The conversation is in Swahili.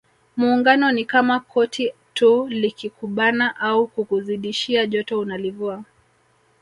Muungano ni kama koti tu likikubana au kukuzidishia joto unalivua